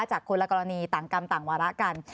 จากคนละกรณีต่างกรรมต่างวาระกัน